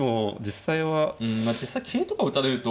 うんまあ実際桂とか打たれると。